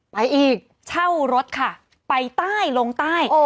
ไปอีกเช่ารถค่ะไปใต้ลงใต้